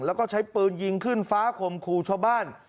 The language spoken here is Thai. แล้วก็ใช้ปืนยิงขึ้นฟ้าข่มขู่ชาวบ้าน